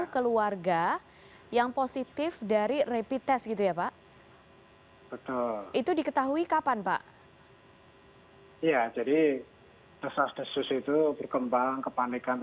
terasnya pak mungkas cimahi jawa barat